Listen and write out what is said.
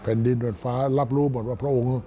แผ่นดินไฟฟ้ารับรู้หมดว่าพระองค์